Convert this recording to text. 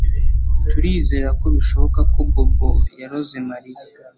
Turizera ko bishoboka ko Bobo yaroze Mariya